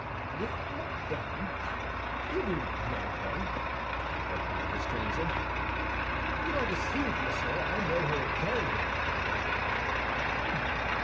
"With Madame! You do not know her," replied the stranger. "You are deceived, monsieur; I know her very well."